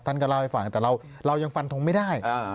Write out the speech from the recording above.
ท่านก็เล่าให้ฟังแต่เรายังฟันทงไม่ได้